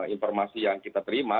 informasi yang kita terima